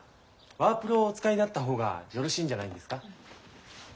ワープロをお使いになった方がよろしいんじゃないんですか？